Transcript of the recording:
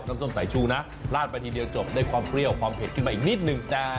ส้มสายชูนะลาดไปทีเดียวจบได้ความเปรี้ยวความเผ็ดขึ้นมาอีกนิดนึงจ้า